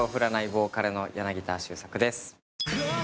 ボーカルの柳田周作です。